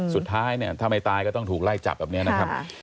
สุดท้ายเนี่ยถ้าไม่ตายก็ต้องถูกไล่จับแบบนี้นะครับ